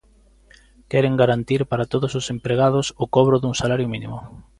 Queren garantir para todos os empregados o cobro dun salario mínimo.